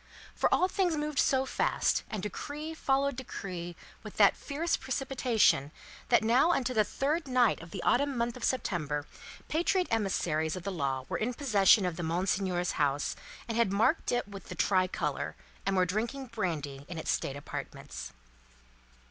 For, all things moved so fast, and decree followed decree with that fierce precipitation, that now upon the third night of the autumn month of September, patriot emissaries of the law were in possession of Monseigneur's house, and had marked it with the tri colour, and were drinking brandy in its state apartments.